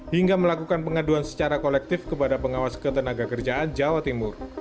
hingga melakukan pengaduan secara kolektif kepada pengawas ketenaga kerjaan jawa timur